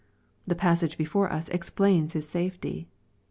The passage before us explains his safety.